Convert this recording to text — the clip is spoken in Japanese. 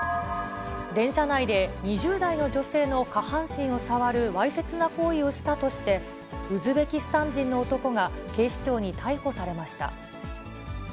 電車内で２０代の女性の下半身を触るわいせつな行為をしたとして、ウズベキスタン人の男が警視庁に逮捕されました。